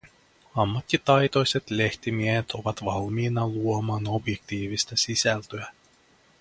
Ammattitaitoiset lehtimiehet ovat valmiina luomaan objektiivista sisältöä.